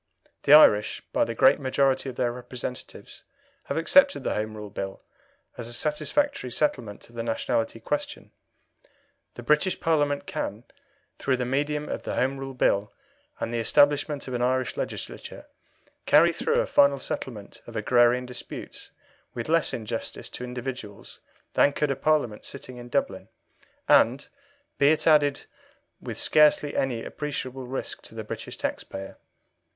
The Irish, by the great majority of their representatives, have accepted the Home Rule Bill as a satisfactory settlement of the nationality question. The British Parliament can, through the medium of the Home Rule Bill and the establishment of an Irish Legislature, carry through a final settlement of agrarian disputes with less injustice to individuals than could a Parliament sitting in Dublin, and, be it added, with scarcely any appreciable risk to the British taxpayer.